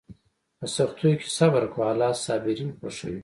په سختیو کې صبر کوه، الله صابرین خوښوي.